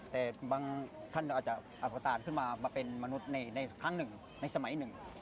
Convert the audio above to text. แต่บางท่านอาจจะอภตารขึ้นมามาเป็นมนุษย์ในครั้งหนึ่งในสมัยหนึ่ง